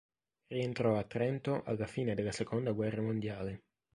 Rientrò a Trento alla fine della seconda guerra mondiale.